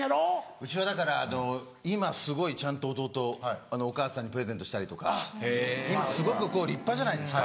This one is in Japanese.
うちはだから今すごいちゃんと弟お母さんにプレゼントしたりとか今すごく立派じゃないですか